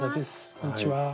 こんにちは。